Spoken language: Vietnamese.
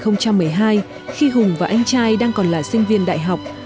năm hai nghìn một mươi hai khi hùng và anh trai đang còn là sinh viên đại học